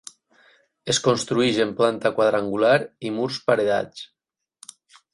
Es construeix en planta quadrangular i murs paredats.